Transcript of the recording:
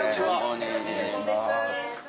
お願いします。